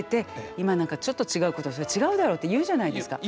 今なんかちょっと違うことすると「違うだろ」って言うじゃないですか。